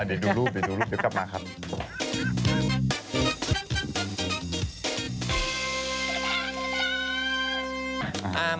เดี๋ยวดูรูปเดี๋ยวกลับมาครับ